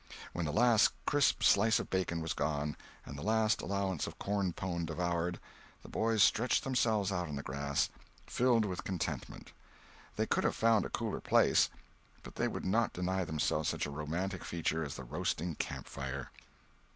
When the last crisp slice of bacon was gone, and the last allowance of corn pone devoured, the boys stretched themselves out on the grass, filled with contentment. They could have found a cooler place, but they would not deny themselves such a romantic feature as the roasting campfire.